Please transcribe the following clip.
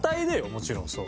もちろんそう。